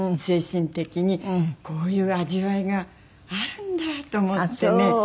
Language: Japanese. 精神的にこういう味わいがあるんだと思ってね。